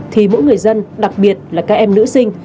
thì mỗi người dân đặc biệt là các em nữ sinh